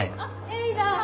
エイだ。